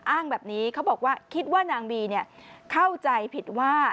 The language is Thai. อ้างแบบนี้เขาบอกว่าคิดว่านางบีเข้าใจผิดว่า